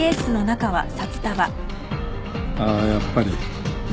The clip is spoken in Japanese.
あやっぱり。